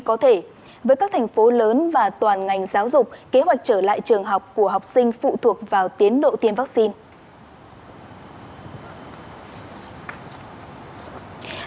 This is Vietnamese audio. có thể với các thành phố lớn và toàn ngành giáo dục kế hoạch trở lại trường học của học sinh phụ thuộc vào tiến độ tiêm vaccine